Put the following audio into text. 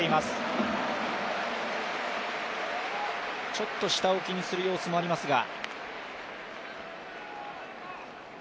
ちょっと下を気にする様子もありますが。